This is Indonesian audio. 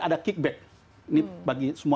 ada kickback bagi semua